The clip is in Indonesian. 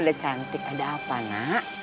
udah cantik ada apa nak